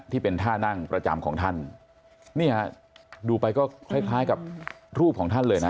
ที่เป็นท่านั่งประจำของท่านนี่ฮะดูไปก็คล้ายคล้ายกับรูปของท่านเลยนะ